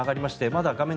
まだ画面